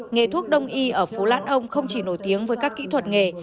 nghề thuốc đông y ở phố lãn ông không chỉ nổi tiếng với các kỹ thuật nghề